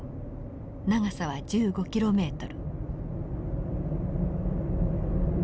長さは１５キロメートル。